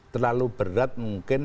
terlalu berat mungkin